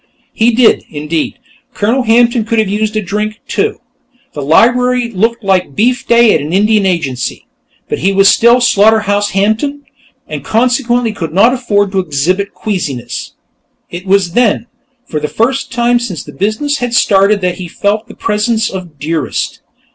He did, indeed. Colonel Hampton could have used a drink, too; the library looked like beef day at an Indian agency. But he was still Slaughterhouse Hampton, and consequently could not afford to exhibit queasiness. It was then, for the first time since the business had started that he felt the presence of Dearest.